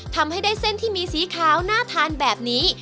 ทำให้ได้เส้นที่มีสีขาวน่าทานแบบนี้